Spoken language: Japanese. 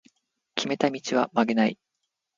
決めた道は曲げない